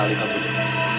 lihat tebal sekali kamu